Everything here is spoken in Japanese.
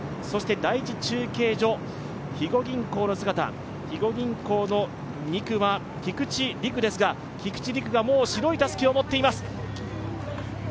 第１中継所、肥後銀行の２区は菊地梨紅ですが、菊地梨紅がもう白いたすきを持っています。